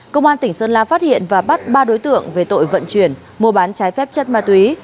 công an tỉnh sơn la phát hiện và bắt ba đối tượng về tội vận chuyển mua bán trái phép chất ma túy